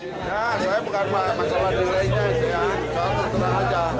saya bukan masalah dirinya saya hanya terang terang saja